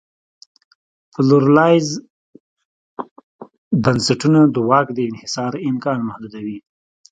پلورالایز بنسټونه د واک دانحصار امکان محدودوي.